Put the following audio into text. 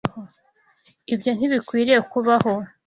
Ibyo ntibikwiye kubaho.